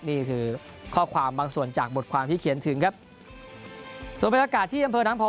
นี่คือข้อความบางส่วนจากบทความที่เขียนถึงครับส่วนบรรยากาศที่อำเภอน้ำพอ